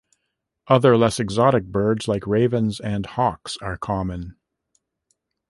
Other, less exotic, birds like ravens and hawks are common.